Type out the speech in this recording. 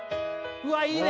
うわっいいね！